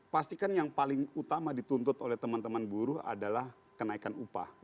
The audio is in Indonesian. pastikan yang paling utama dituntut oleh teman teman buruh adalah kenaikan upah